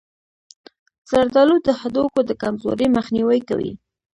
زردآلو د هډوکو د کمزورۍ مخنیوی کوي.